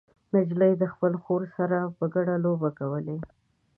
نجلۍ د خپلې خور سره په ګډه لوبې کولې.